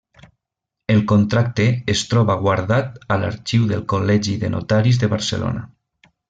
El contracte es troba guardat a l'Arxiu del Col·legi de Notaris de Barcelona.